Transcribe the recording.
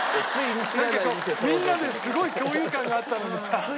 みんなですごい共有感があったのにさ。